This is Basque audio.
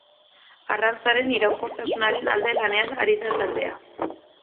Arrantzaren iraunkortasunaren alde lanean ari da taldea.